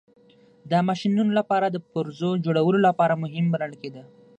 د ماشینونو لپاره د پرزو جوړولو لپاره مهم بلل کېده.